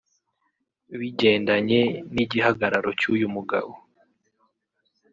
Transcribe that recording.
Bigendanye n’igihagararo cy’uyu mugabo